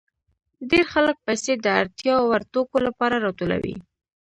ډېر خلک پیسې د اړتیا وړ توکو لپاره راټولوي